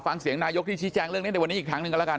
ฟังเสียงนายกที่ชี้แจงเรื่องนี้ในวันนี้อีกครั้งหนึ่งกันแล้วกัน